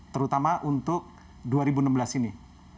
terutama untuk dua ribu enam belas ini